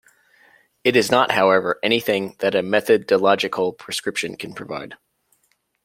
It is not, however, anything that a methodological prescription can provide.